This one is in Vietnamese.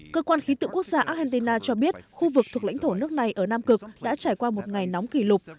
cơ quan khí tượng quốc gia argentina cho biết khu vực thuộc lãnh thổ nước này ở nam cực đã trải qua một ngày nóng kỷ lục